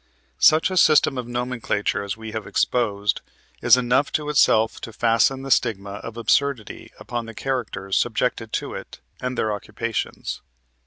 Such a system of nomenclature as we have exposed is enough of itself to fasten the stigma of absurdity upon the characters subjected to it, and their occupations.